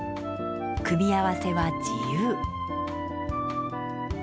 組み合わせは自由。